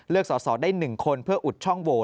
สอสอได้๑คนเพื่ออุดช่องโหวต